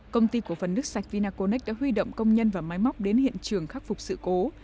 công ty cổ phần nước sạch vinaconex đã huy động công nhân và máy móc đến hiện trường khắc phục sự cố